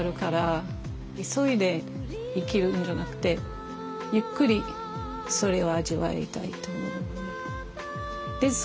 急いで生きるんじゃなくてゆっくりそれを味わいたいと思うね。